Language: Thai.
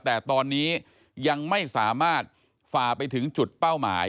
แต่ตอนนี้ยังไม่สามารถฝ่าไปถึงจุดเป้าหมาย